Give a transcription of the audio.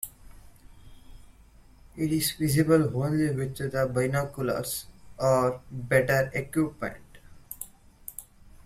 It is visible only with binoculars or better equipment.